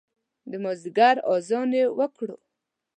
د مازدیګر اذان یې وکړو